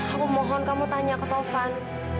aku mohon kamu tanya ke tovan